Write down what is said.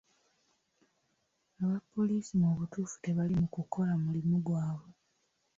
Abapoliisi mu butuufu tebali mu kukola mulimu gwabwe.